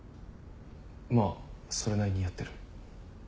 まあそれなりにやってる。